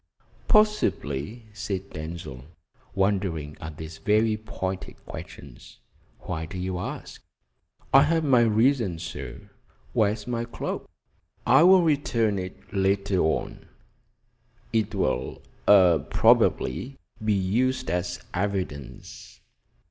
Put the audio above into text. "Possibly," said Denzil, wondering at these very pointed questions. "Why do you ask?" "I have my reasons, sir. Where is my cloak?" "I will return it later on; it will probably be used as evidence."